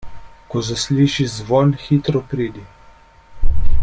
Ko zaslišiš zvon, hitro pridi.